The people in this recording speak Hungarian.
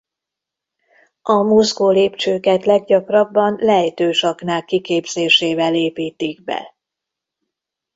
A mozgólépcsőket leggyakrabban lejtős aknák kiképzésével építik be.